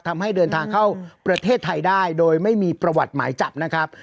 ทำให้เดินทางเข้าประเทศไทยได้โดยไม่มีประวัติหมายจับนะครับ